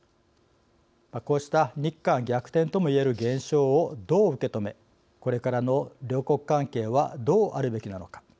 こうした「日韓逆転」ともいえる現象をどう受け止めこれからの両国関係はどうあるべきなのか。